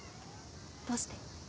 どうして？